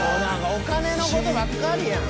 お金の事ばっかりやん。